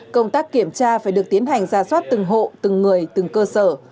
công tác kiểm tra phải được tiến hành ra soát từng hộ từng người từng cơ sở